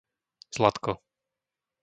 Zlatko